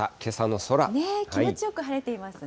気持ちよく晴れていますね。